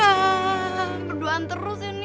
ah perduaan terus ya ini